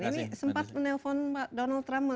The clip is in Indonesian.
ini sempat menelpon donald trump